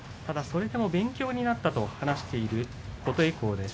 勉強になったと話している琴恵光です。